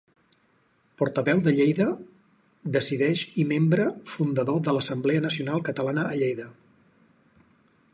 Portaveu de Lleida Decideix i membre fundador de l'Assemblea Nacional Catalana a Lleida.